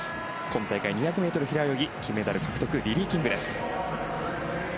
今大会、２００ｍ平泳ぎ金メダル獲得リリー・キングです。